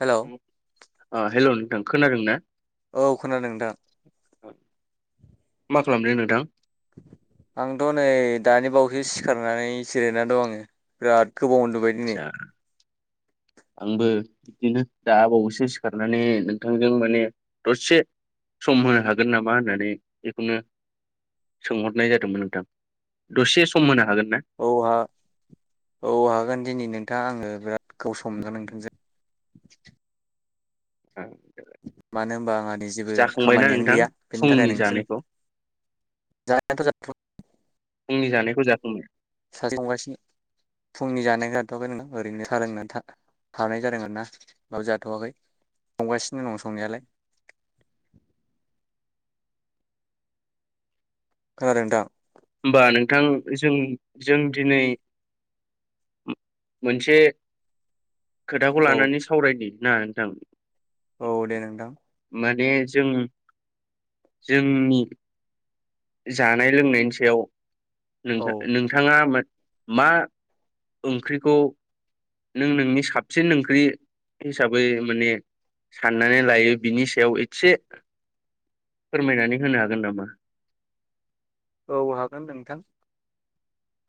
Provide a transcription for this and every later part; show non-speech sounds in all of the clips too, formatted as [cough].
Hello ओ-हेल' खोनादों ना? औ खोनादों नोंथां। मा खालामदों नोंथां? आंथ' नै दानि बावैसो सिखारनानै जिरायना दं आङो बिराद गोबाव उन्दुबाय दिनै आसा आंबो। बिदिनो दा बावैसो सिखारनानै नोंथांजों माने दसे सम होनो हागोन नामा होननानै बेखौनो सोंहरनाय जादोंमोन नोंथां दसे सम होनो हागोन। ना? औ हा औ हागोन। दिनै नोंथाङा आङो बिराद गावसंदों नोंथांजों। [inaudible] औ [inaudible] मानो होनबा आंहा, जेबो खामानियानो नोंथां गैया बेनि थाखाय फुंनि नोंजों जानायखौ जानायाथ' जा [unintelligible] फुंनि जानायखौ जाफुङो। सासे संगासिनो फुंनि जानाय जाथ'वाखै नोंङा ओरैनो सालोंनानै था-थानायानाय जादों आरना बाब जाथ'वाखै संगासिनो दं संनायालाय। खोनादों नोंथां। बिथां जों जों दिनै मो-मोनसे। खोथाखौ औ लानानै सावरायनि। ना नोंथां। औ दे नोंथां। माने जों जोंनि जानाय लोंनायनि सायाव औ नोंथां नोंथाङा मा ओंख्रिखौ नों नोंनि साबसिन ओंख्रि हिसाबै माने साननानै लायो बिनि सायाव एसे फोरमायनानै होनो हागोन नामा? औ हागोन नोंथां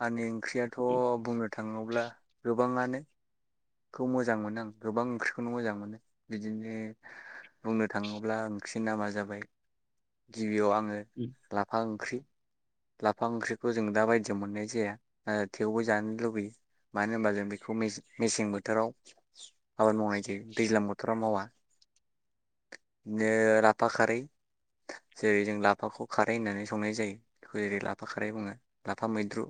आंनि। ओंख्रियाथ' बुंनो थाङोब्ला गोब गोबांआनो। खौ मोजां मोनो आं गोबां ओंख्रिखौनो मोजां मोनो बिदिनो बुंनो थाङोब्ला ओंख्रिनि नामा जाबाय गिबियाव आं। ओ-लाफा ओं ओंख्रि लाफा ओंख्रिखौ जों दा बायदियाव मोननाय जाया। ओ- थेवबो जानो लुबैयो मानो होनबा जों बेखौ मेसे मेसें बोथोराव आबाद मावनाय जायो दैज्लां बोथोराव मावा बिदिनो लाफा खारै जेरै जों लाफाखौ खारै होननानै संनाय जायो बेखौ जेरै लाफा खारै बुङो लाफा मैद्रु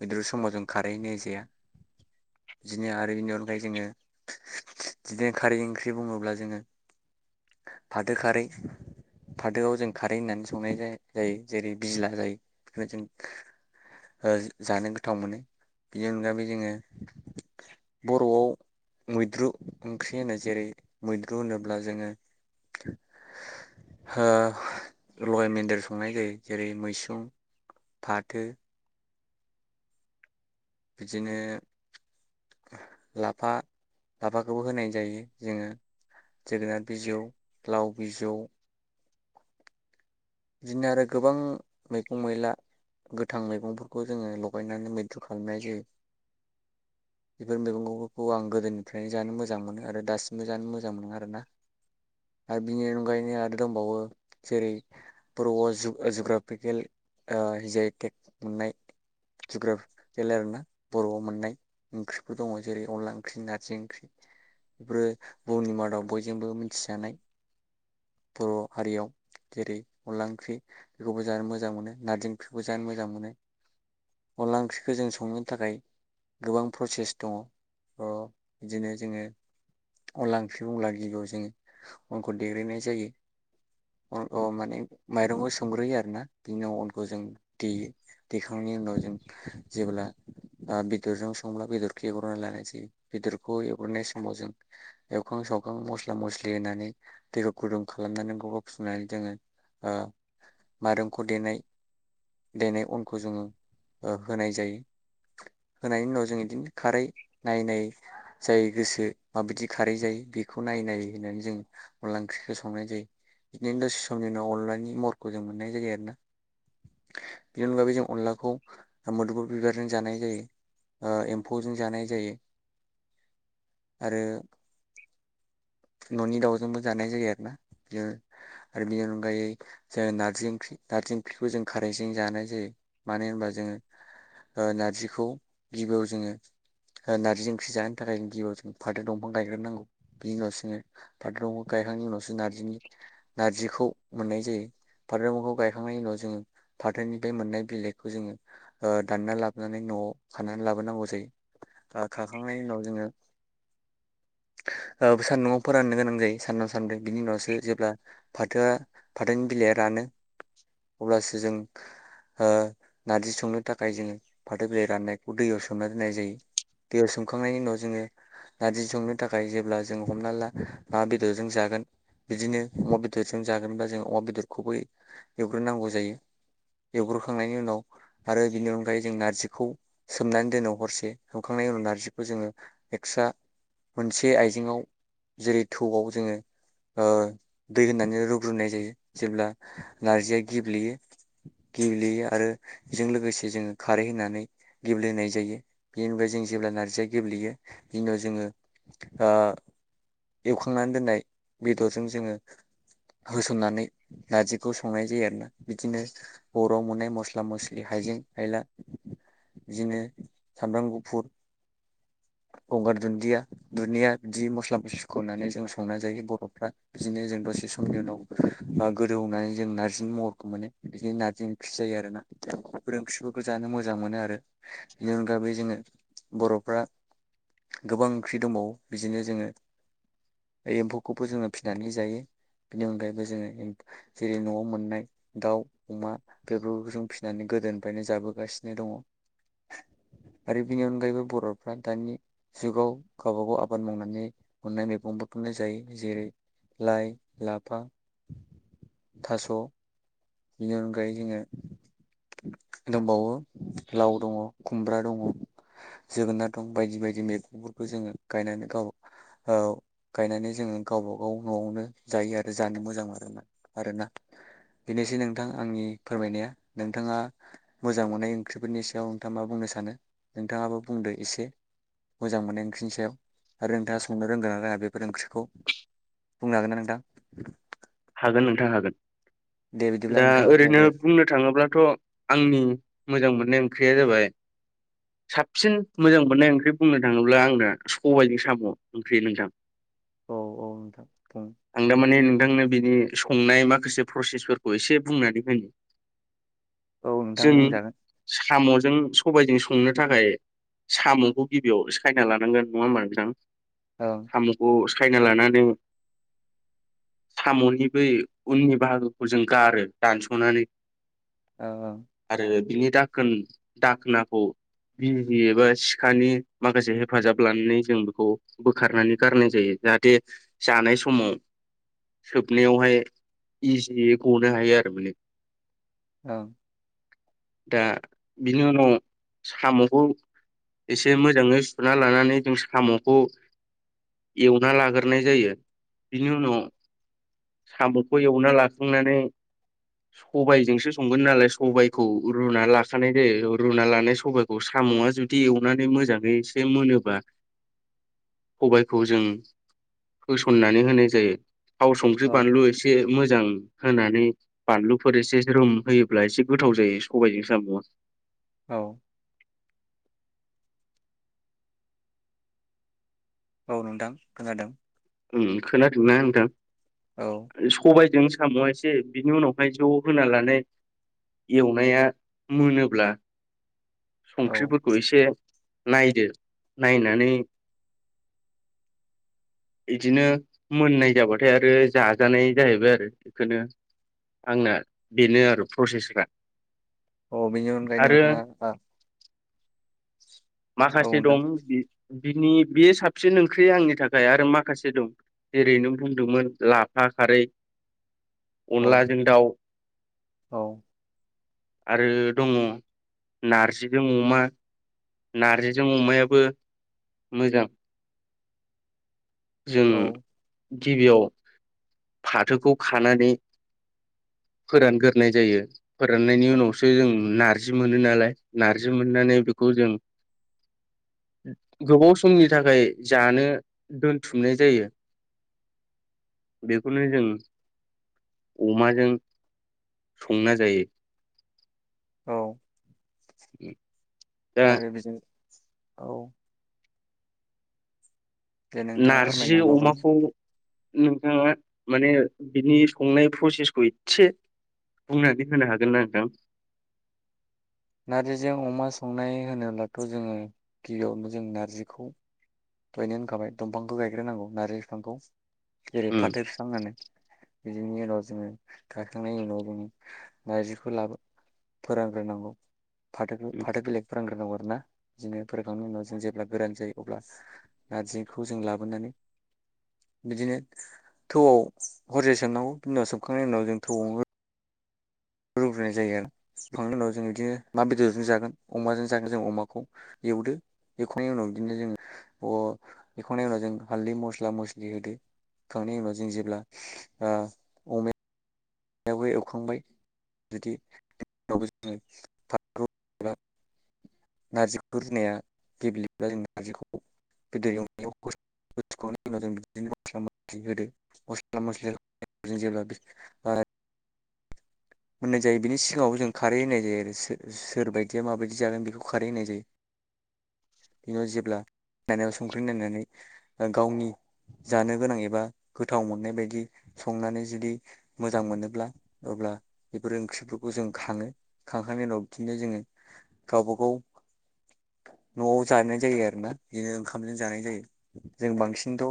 मैद्रु समाव जों खारै होननाय जाया। बिदिनो आरो बेनि अनगायै जोङो बिदिनो खारै ओंख्रि बुङोब्ला जोङो फाथो खारै फाथोआव जों खारै होननानै संनाय जायो जेरै बिज्ला जायो बेखौ जों जानो गोथाव मोनो बिनि अनगायै जोङो। बर'आव मैद्रु ओंख्रि होनो जेरै मैद्रु होनोब्ला जोङो लगाय मोन्देर संनाय जायो जेरै मैसुं फाथो बिदिनो लाफा लाफाखौबो होनाय जायो जोङो जोगोनार बिजौ, लाव बिजौ बिदिनो आरो गोबां मैगं मैला गोथां मैगंफोरखौ जोङो लगायनानै मैद्रु खालामनाय जायो बेफोर मैगंफोरखौ आं गोदोनिफ्रायनो जानो मोजां मोनो आरो दासिमबो जानो मोजां मोनो आरोना आरो बिनि अनगायैनो आरो दंबावो जेरै बर'आव जुग जुग्राफिकेल ओ जि आइ टेक मोननाय जुग्राफिकेल आरोना बर'आव मोननाय ओंख्रिफोर दङ जेरै अनला ओंख्रि नारजि ओंख्रि बेफोरो बुहुमनि मादाव बयजोंबो मिथिजानाय बर' हारियाव। जेरै अनला ओंख्रि बेखौबो जानो मोजां मोनो नारजि ओंख्रिखौबो जानो मोजां मोनो अनला ओंख्रिखौ जों संनो थाखाय गोबां प्रसेस दङ ओ बिदिनो जोङो अनला ओंख्रि बुंब्ला गिबियाव जोङो अनखौ देग्रोनाय जायो। अ' माने माइरंखौ सोमग्रोयो आरोना बिनि उनाव अनखौ जों देयो देखांनायनि उनाव जों जेब्ला ओ बेदरजों संब्ला बेदरखौ एवग्रोना लानाय जायो बेदरखौ एवग्रोनाय समाव जों एवखां सावखां मस्ला मस्लि होनानै दैखौ गुदुं खालामनानै [unintelligible] फुनानै जोङो ओ माइरंखौ देनाय देनाय अनखौ जोङो ओ होनाय जायो होनायनि उनाव जों इदिनो खारै नायै नायै जाय गोसो माबायदि खारै जायो बेखौ नायै नायै होनानै जों अनला ओंख्रिखौ संनाय जायो। बिदिनो दसे समनि उनाव अनलानि महरखौ जों मोननाय जायो आरोना बिनि अनगायै जों अनलाखौ मोदोमफुल बिबारजों जानाय जायो एम्फौजों जानाय जायो आरो न'नि दाउजोंबो जानाय जायो आरोना बि आरो बेनि अनगायै जोङो नारजि ओंख्रि नारजि ओंख्रिखौ जों खारैजों जानाय जायो मानो होनबा जोङो ओ नारजिखौ गिबियाव जोङो नार्जि ओंख्रि जानो थाखायों गिबियाव जों फाथो दंफां गायग्रोनांगौ बिनि उनावसो [inaudible] ङो फाथो दंफांखौ गायखांनायनि उनावसो नारजिनि नारजिखौ मोननाय जायो फाथो दंफांखौ गायखांनायनि उनाव जोङो फाथोनि बे मोननाय बिलाइखौ जोङो ओ दानना लाबोनानै न'आव खानानै लाबोनांगौ जायो खाखांनायनि उनाव जोङो ओ सानदुङाव फोराननो गोनां जायो सानथाम सानब्रै बिनि उनावसो जेब्ला फाथोआ फाथोनि बिलाइया रानो अब्लासो जों ओ नारजि संनो थाखाय जोङो फाथो बिलाय राननायखौ दैयाव सोमना दोननाय जायो दैयाव सोमखांनायनि उनाव जोङो नारजि संनो थाखाय जेब्ला जों हमना ला ना बेदरजों जागोन बिदिनो अमा बेदरजों जागोनबा जों अमा बेदरखौबो एवग्रोनांगौ जायो एवग्रोखांनायनि उनाव आरो बिनि अनगायै जों नारजिखौ सोमनानै दोनो हरसे सोमखांनायनि उनाव नारजिखौ जोङो एक्स्रा मोनसे आइजेंआव जेरै थौआव जोङो ओ दै होनानै रुग्रोनाय जायो जेब्ला नारजिया गेब्लेयो गेब्लेयो आरो बिजों लोगोसे जोङो खारै होनानै गेब्लेनाय जायो बेनि अनगायै जों जेब्ला नारजिया गेब्लेयो बिनि उनाव जोङो ओ एवखांनानै दोननाय बेदरजों जोङो होसननानै नारजिखौ संनाय जायो आरोना बिदिनो बर'आव मोननाय मस्ला मस्लि हाइजें हायला बिदिनो सामब्राम गुफुर गंगार दुन्दिया, दुनिया बिदि मस्ला मस्लि खनानै जों संना जायो बर'फ्रा बिदिनो जों दसे समनि उनाव गोदौनानै जों नारजिनि महरखौ मोनो बिदिनो नारजि ओंख्रि जायो आरोना बेफोर ओंख्रिफोरखौ जानो मोजां मोनो आरो बिनि अनगायैबो जोङो बर'फ्रा गोबां ओंख्रि दंबावो बिदिनो जोङो एम्फौखौबो जोङो फिनानै जायो बेनि अनगायैबो जोङो जेरै न'आव मोननाय दाउ अमा बेफोरखौ जों फिनानै गोदोनिफायनो जाबोगासिनो दङ आरो बेनि अनगायैबो बर'फ्रा दानि जुगाव गावबा गाव आबाद मावनानै अननाय मैगंफोरखौनो जायो जेरै लाइ, लाफा, थास' बेनि अनगायै जोङो दंबावो लाव दङ खुमब्रा दङ जोगोनार दं बायदि बायदि मैगंफोरखौ जोङो गायनानै गाव गाव गायनानै जोङो गावबा गाव न'आवनो जायो आरो जानो मोजां मोनो आरोना। बेनोसै नोंथां आंनि फोरमायनाया नोंथाङा मोजां मोननाय ओंख्रिफोरनि सायाव नोंथाङा मा बुंनो सानो नोंथाङाबो बुंदो एसे मोजां मोननाय ओंख्रिनि सायाव आरो नोंथाङा संनो रोंगोना रोङा बेफोर ओंख्रिखौ बुंनो हागोन ना नोंथां? हागोन नोंथां हागोन। दे बिदिब्ला दा नोंथाङा ओरैनो फोरमायदो बुंनो थाङोब्लाथ' आंनि मोजां मोननाय ओंख्रिया जाबाय साबसिन मोजां मोननाय ओंख्रि बुंनो थाङोब्ला आंना सबायजों साम' ओंख्रि नोंथां। औ औ नोंथां बुं आं दामाने नोंथांनो बे संनाय माखासे प्रसेसफोरखौ एसे बुंनानै होनि। औ नोंथां जों बुंजागोन साम' जों सबायजों संनो थाखाय साम'खौ गिबियाव सायना लानांगोन, नङा होमबा नोंथां? ओं साम'खौ सायना लानानै साम'नि बै उननि बाहागोखौ जों गारो दानस'नानै। ओं। आरो बिनि दाखोन दाखोनाखौ बिजि एबा सिखानि माखासे हेफाजाब लानानै जों बेखौ बोखारनानै गारनाय जायो जाहाथे जानाय समाव सोबनायावहाय इजियै ग'नो हायो आरो माने। ओं। दा बिनि उनाव साम'खौ एसे मोजाङै सुना लानानै जों साम'खौ एवना लाग्रोनाय जायो बिनि उनाव साम'खौ एवना लाखांनानै सबायजोंसो संगोन नालाय सबायखौ रुना लाखानाय जायो रुना लानाय सबायखौ साम'आ जुदि एवनानै मोजाङै एसे मोनोबा सबायखौ जों होसननानै होनाय जायो। थाव संख्रि औ बानलु एसे मोजां होनानै बानलुफोर एसे ज्रोम होयोब्ला एसे गोथाव जायो सबायजों साम'आ। औ। औ नोंथां खोनादों। उम खोनादोंना नोंथां? औ सबाय जों साम' एसे बिनि उनावहाय ज' होना लानो एवनाया मोनोब्ला औ संख्रिफोरखौ एसे नायदो नायनानै बिदिनो मोननाय जाबाथाय आरो जाजानाय जाहैबाय आरो बेखौनो आंना बेनो आरो प्रसेसफ्रा अ बेनि अनगायै आरो नोंथाङा ओ माखासे दं बिनि बे साबसिन ओंख्रि आंनि थाखाय आरो माखासे दं जेरैनों बुंदोंमोन लाफा खारै औ अनलाजों दाउ औ आरो दङ नारजिजों अमा नारजिजों अमायाबो मोजां जों औ गिबियाव फाथोखौ खानानै फोरानग्रोनाय जायो फोराननायनि उनावसो जों नार जि मोनो नालाय नार्जि मोननानै बेखौ जों गोबाव समनि थाखाय जानो दोन थुमनाय जायो बेखौनो जों अमाजों संना जायो। औ दा आरो बिदिनो औ दे नोंथाङा नारजि फोरमायनो हाबावगोन अमाखौ नोंथांङा माने बिनि संनाय प्रसेसखौ एसे बुंनानै होनो हागोन ना नोंथां नारजिजों अमा संनाय होनोब्लाथ' जोङो गिबियावनो जों नारजिखौ दहायनो होनखाबाय दंफांखौ गायग्रोनांगौ नारजि बिफांखौ जेरै उम फाथो बिफां होनो बिदिनि उनाव जोङो खाखांनायनि उनाव बि नारजिखौ लाबो फोरानग्रोनांगौ फाथोखौ उम फाथो बिलाय फोरानग्रोनांगो आरो ना बिदिनो फोरानखांनायनि उनाव जों जेब्ला गोरान जायो अब्ला नारजिखौ जों लाबोनानै बिदिनो थौआव हरसे सोमनांगौ बिनि उनाव सोमखांनायनि उनाव जों थौआव रुग्रोनाय जायो आरो सुखांनायनि उनाव जों बिदिनो मा बेदरजों जागोन अमाजों जागोन जों अमाखौ एवदो एवखांनायनि उनाव बिदिनो जोंङ एवखांनायनि उनाव जों हाल्दै मस्ला मस्लि होदो होखांनायनि उनाव जों जेब्ला ओ अमा एवखांबाय जुदिबो जोङो फाथो नारजिखौ रुनाया गेब्लेब्ला जों नारजिखौ बेदर एवनायाव जों बिनो मस्ला मस्लि होदो मस्ला मस्लि जेब्ला मोननाय जायो बिनि सिगाङाव जों खारै होनाय जायो आरो सोर बायदिया माबायदि जागोन बेखौ खारै होनाय जायो बेनि उनाव जेब्ला नायाव संख्रि नायनानै गावनि जानो गोनां एबा गोथाव मोननाय बायदि संनानै जुदि मोजां मोनोब्ला अब्ला बेफोर ओंख्रिफोरखौ जों खाङो खांखांनायनि उनाव बिदिनो जोङो गावबा गाव न'आव जानाय जायो आरोना बिदिनो ओंखामजों जानाय जायो जों बांसिनथ'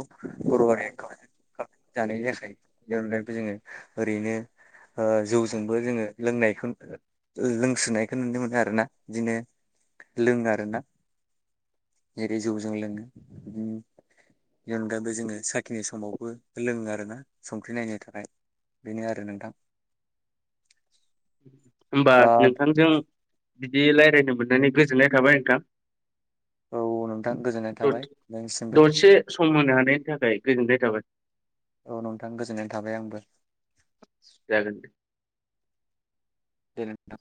बर' हारिया ओंखामजों जानाय जायाखायो बे ओ जोङो ओरैनो ओ जौ जोंबो जोङो लोंनायखौ लोंसुनायखौ नुनो मोनो आरोना बिदिनो लोङो आरोना जेरै जौजों लोङो बेनि अनगायैबो जोङो साखिनाय समावबो लोङो आरोना संख्रि नायनो थाखाय बेनो आरो नोंथां होमबा आ नोंथांजों बिदि रायलायनो मोननानै गोजोननाय थाबाय नोंथां औ नोंथां गोजोननाय थाबाय नोंनिसिमबो दसे सम होनो हानायनि थाखाय गोजोननाय थाबाय औ नोंथां गोजोननाय थाबाय आंबो जागोन दे दे नोंथां